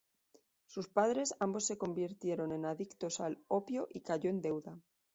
Sus padres ambos se convirtieron en adictos al opio y cayó en deuda.